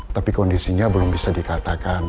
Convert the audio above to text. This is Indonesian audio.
tapi kondisinya belum bisa dikatakan